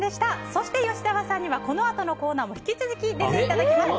そして、吉沢さんにはこのあとのコーナーにも引き続き出ていただきます。